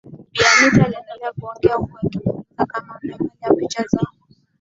Bi Anita aliendelea kuongea huku akimuuliza kama ameangalia picha zao